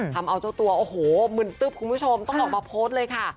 ทำเอาเจ้าตัวโอ้โหมึนตึ๊บคุณผู้ชมต้องออกมาโพสต์เลยค่ะ